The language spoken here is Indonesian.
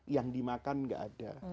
yang dimakan gak ada